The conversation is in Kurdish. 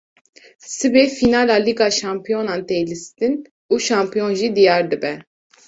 Sibê fînala Lîga Şampiyonan tê lîstin û şampiyon jî diyar dibe